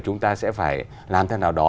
chúng ta sẽ phải làm thế nào đó